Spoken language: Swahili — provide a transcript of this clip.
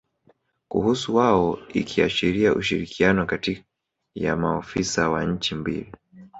kuhusu wao ikiashiria ushirikiano kati ya maofisa wa nchi mbili